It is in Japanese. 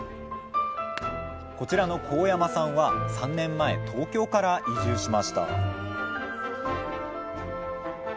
こちらの神山さんは３年前東京から移住しました